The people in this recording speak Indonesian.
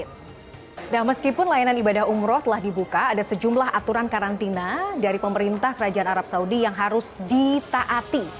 nah meskipun layanan ibadah umroh telah dibuka ada sejumlah aturan karantina dari pemerintah kerajaan arab saudi yang harus ditaati